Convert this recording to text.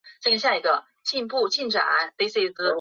父许学范为乾隆三十七年进士。